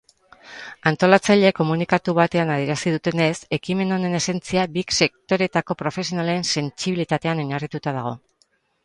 Antolatzaileek komunikatu bateanadierazi dutenez, ekimen honen esentzia bi sektoreetako profesionalensentsibilitatean oinarrituta dago.